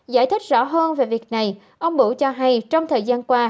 giải thích rõ hơn về việc này ông bửu cho hay trong thời gian qua